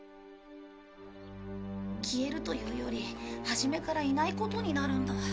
消えるというより初めからいないことになるんだ。